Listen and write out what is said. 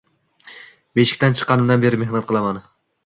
Beshikdan chiqqanimdan beri mehnat qilaman